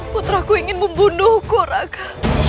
putraku ingin membunuhku raka